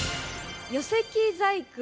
寄木細工。